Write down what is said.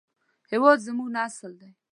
هېواد زموږ نسل دی